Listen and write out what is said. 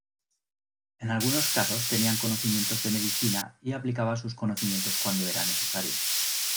En algunos casos tenían conocimientos de medicina y aplicaban sus conocimientos cuando era necesario.